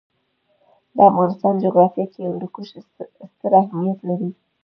د افغانستان جغرافیه کې هندوکش ستر اهمیت لري.